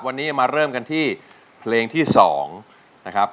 วันนี้มาเริ่มกันที่เพลงที่๒นะครับ